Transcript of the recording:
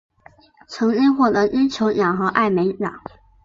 曾经获得金球奖和艾美奖。